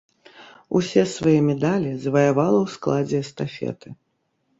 Усе свае медалі заваявала ў складзе эстафеты.